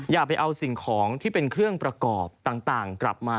อย่าไปเอาสิ่งของที่เป็นเครื่องประกอบต่างกลับมา